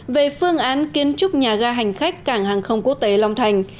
về phương án kiến trúc nhà ga hành khách cảng hàng không quốc tế long thành